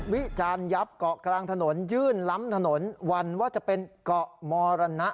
วิจารณ์ยับเกาะกลางถนนยื่นล้ำถนนวันว่าจะเป็นเกาะมรณะ